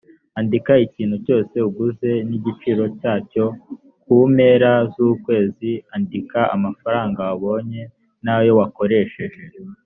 andika ikintu cyose uguze n igiciro cyacyo ku mpera z ukwezi andika amafaranga wabonye n ayo wakoresheje